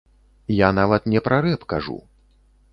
Я нават не пра рэп кажу.